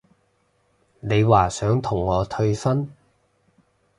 你話想同我退婚？